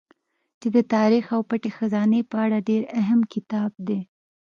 چې د تاريڅ او پټې خزانې په اړه ډېر اهم کتاب دی